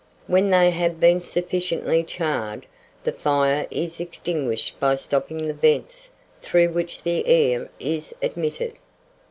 When they have been sufficiently charred, the fire is extinguished by stopping the vents through which the air is admitted.